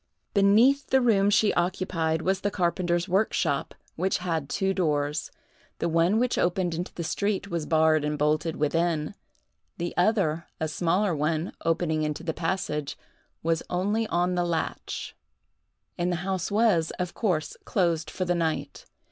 Beneath the room she occupied was the carpenter's workshop, which had two doors. The one which opened into the street was barred and bolted within; the other, a smaller one, opening into the passage, was only on the latch; and the house was, of course, closed for the night.